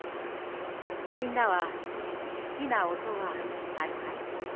みんなはすきなおとはあるかい？